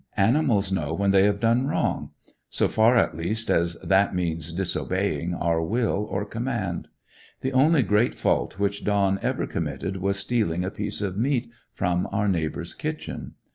Animals know when they have done wrong; so far, at least, as that means disobeying our will or command. The only great fault which Don ever committed was stealing a piece of meat from our neighbor's kitchen.